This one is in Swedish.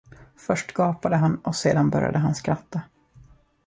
Först gapade han och sedan började han skratta.